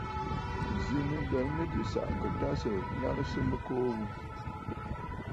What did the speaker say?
Zǐ nɨ̂ ǹdəŋnə jì sàʼàkə̀ tâ sɨ̀ larɨsə mɨkuu mya ghu.